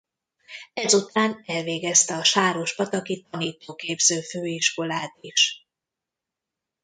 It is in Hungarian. Ezután elvégezte a Sárospataki Tanítóképző Főiskolát is.